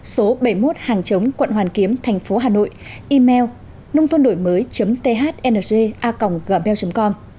số bảy mươi một hàng chống quận hoàn kiếm tp hà nội email nôngthondổimới thng gmail com